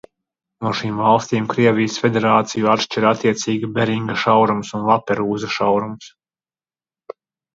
No šīm valstīm Krievijas Federāciju atšķir attiecīgi Beringa šaurums un Laperūza šaurums.